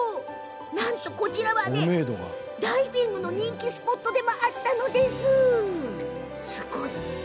なんとこちら、ダイビングの人気スポットでもあるんですって。